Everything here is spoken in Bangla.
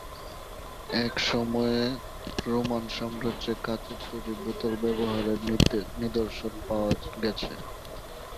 এসময়ে রোমান সাম্রাজ্যে কাঁচের তৈরি বোতল ব্যবহারের নিদর্শন পাওয়া গেছে।